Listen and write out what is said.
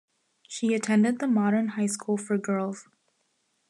She attended the Modern High School for Girls.